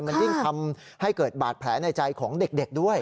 มันยิ่งทำให้เกิดบาดแผลในใจของเด็กด้วย